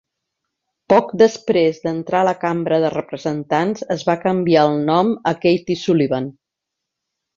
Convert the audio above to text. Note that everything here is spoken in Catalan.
Poc després d'entrar a la Cambra de representants es va canviar el nom a Kathy Sullivan.